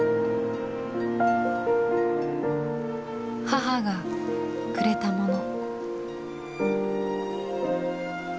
母がくれたもの。